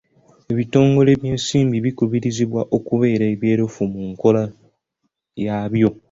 Ebitongole by'ensimbi bikubirizibwa okubeera ebyerufu mu nkola yaabyo.